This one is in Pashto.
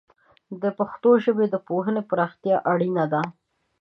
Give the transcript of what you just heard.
د پښتو ژبې د پوهنې پراختیا اړینه ده.